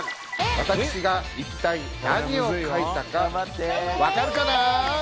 私が一体何を描いたかわかるかな？